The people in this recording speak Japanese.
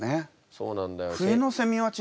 そうなんだよ。